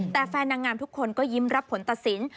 แต่แฟนนางงามทุกคนก็ยิ้มรับผลตัดสิน